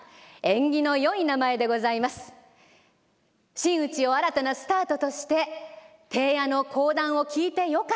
真打を新たなスタートとして「貞弥の講談を聴いてよかった。